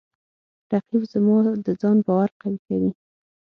رقیب زما د ځان باور قوی کوي